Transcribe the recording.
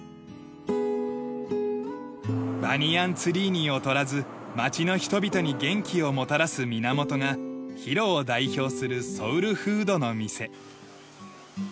バニヤン・ツリーに劣らず町の人々に元気をもたらす源がヒロを代表するソウルフードの店。